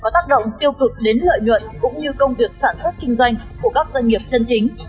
tác động tiêu cực đến lợi nhuận cũng như công việc sản xuất kinh doanh của các doanh nghiệp chân chính